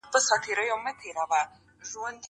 زه بايد پاکوالی وکړم!.